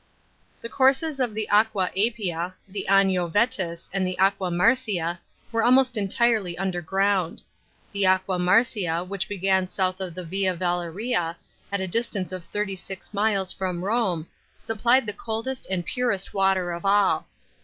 The courses of the Aqua Appia, the Anio Vetus, and the Aqua Marcia were almost entirely underground. The Aqua Marcia, which bejian south of the Via Valeria, at a distance of thirty six miles from Rome, supplied the coldest and purest water of all.